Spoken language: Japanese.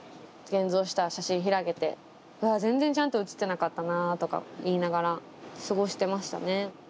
現像した写真ひらげて全然ちゃんと写ってなかったなとか言いながら過ごしてましたね。